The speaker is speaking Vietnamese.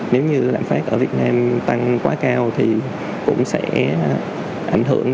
nếu như lạm phát ở việt nam tăng quá cao thì cũng sẽ ảnh hưởng